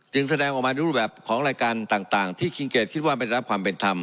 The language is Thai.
แสดงออกมาในรูปแบบของรายการต่างที่คิงเกดคิดว่าไม่ได้รับความเป็นธรรม